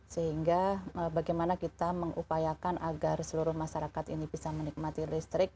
sehingga bagaimana kita mengupayakan agar seluruh masyarakat ini bisa menikmati listrik